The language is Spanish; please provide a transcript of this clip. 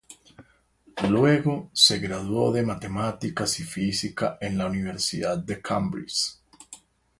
Luego, se graduó de Matemáticos y Física en la Universidad de Cambridge.